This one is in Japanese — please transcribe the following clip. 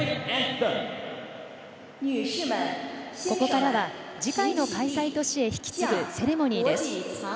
ここからは次回の開催都市へ引き継ぐセレモニーです。